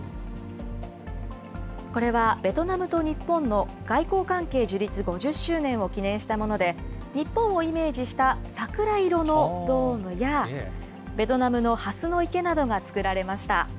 これはベトナムと日本の外交関係樹立５０周年を記念したもので、日本をイメージした桜色のドームや、ベトナムのハスの池などが作られました。